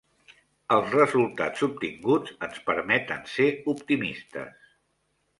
Els resultats obtinguts ens permeten ser optimistes.